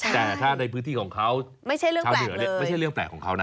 แต่ถ้าในพื้นที่ของเขาไม่ใช่เรื่องแปลกเลย